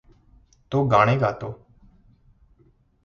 तो गाणे गातो.